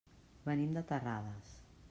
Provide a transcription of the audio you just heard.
Venim de Terrades.